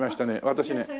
私ね